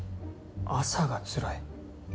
朝がつらい？